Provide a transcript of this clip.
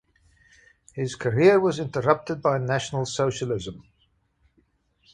His career was interrupted by National Socialism.